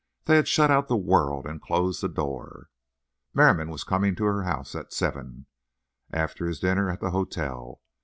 They had shut out the world and closed the door. Merriam was coming to her house at seven, after his dinner at the hotel.